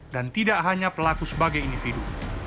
dan tidak hanya pelaku sebagai individu